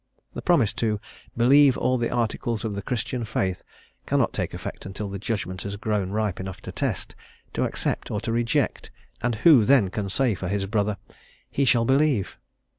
The promise to "believe all the Articles of the Christian Faith," cannot take effect until the judgment has grown ripe enough to test, to accept, or to reject, and who then can say for his brother, "he shall believe."